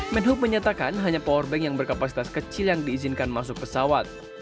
menhub menyatakan hanya powerbank yang berkapasitas kecil yang diizinkan masuk pesawat